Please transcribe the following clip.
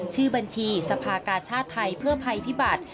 ชื่อบัญชีสภากาชาติไทยเพื่อภัยพิบัติ